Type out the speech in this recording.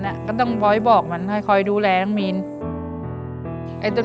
สมบัติก็ต้องบอกมันไปค่อยดูแลน้องมีน